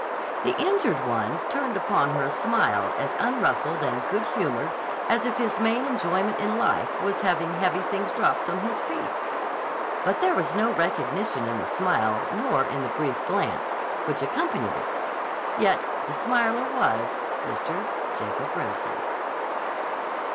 The injured one turned upon her a smile as unruffled and good humored as if his main enjoyment in life was having heavy things dropped on his feet. But there was no recognition in the smile nor in the brief glance which accompanied it. Yet the smiler was Mr. Jacob Remsen.